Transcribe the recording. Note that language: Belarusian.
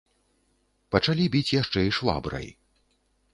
Пачалі біць яшчэ і швабрай.